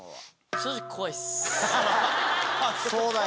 正直怖いっす。